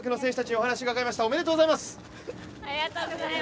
おめでとうございます。